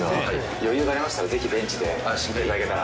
余裕がありましたら、ぜひベンチで見ていただけたら。